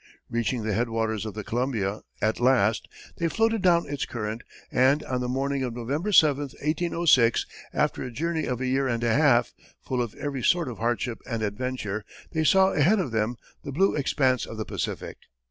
Reaching the headwaters of the Columbia, at last, they floated down its current, and on the morning of November 7, 1806, after a journey of a year and a half, full of every sort of hardship and adventure, they saw ahead of them the blue expanse of the Pacific.